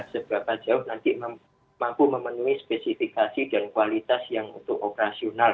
seberapa jauh nanti mampu memenuhi spesifikasi dan kualitas yang untuk operasional